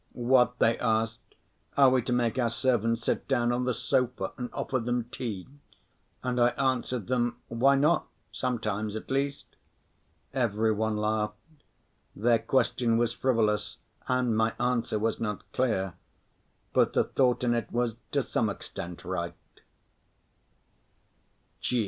"What!" they asked, "are we to make our servants sit down on the sofa and offer them tea?" And I answered them: "Why not, sometimes at least?" Every one laughed. Their question was frivolous and my answer was not clear; but the thought in it was to some extent right.